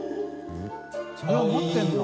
それを持ってるの？））